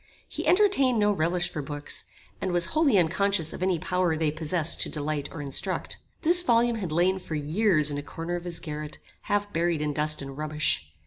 He entertained no relish for books, and was wholly unconscious of any power they possessed to delight or instruct. This volume had lain for years in a corner of his garret, half buried in dust and rubbish.